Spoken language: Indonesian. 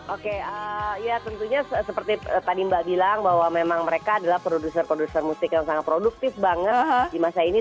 oke ya tentunya seperti tadi mbak bilang bahwa memang mereka adalah produser produser musik yang sangat produktif banget di masa ini